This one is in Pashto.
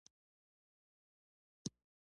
قبطي پر خبره پوی نه شو.